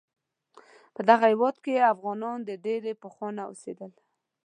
په دغه هیواد کې افغانان د ډیر پخوانه اوسیدل